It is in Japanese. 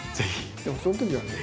でもそのときはね